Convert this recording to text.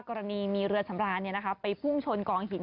กรณีมีเรือสำราญไปพุ่งชนกองหิน